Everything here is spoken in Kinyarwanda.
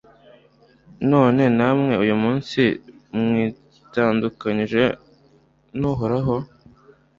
none namwe, uyu munsi mwitandukanyije n'uhoraho